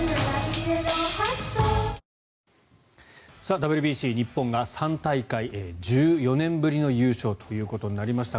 ＷＢＣ、日本が３大会１４年ぶりの優勝ということになりました。